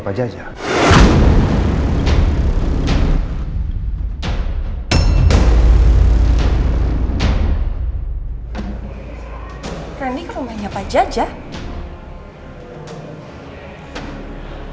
pak jajah kerennya pak jajah